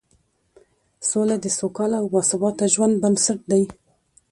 سوله د سوکاله او باثباته ژوند بنسټ دی